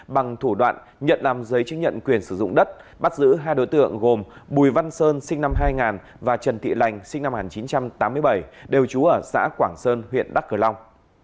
bằng thủ đoạn nhận làm giấy chứng nhận quyền sử dụng đất bắt giữ hai đối tượng gồm bùi văn sơn sinh năm hai nghìn và trần thị lành sinh năm một nghìn chín trăm tám mươi bảy đều trú ở xã quảng sơn huyện đắk cờ long